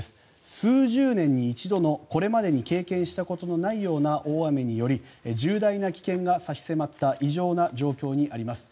数十年に一度のこれまでに経験したことのないような大雨により重大な危険が差し迫った異常な状況にあります。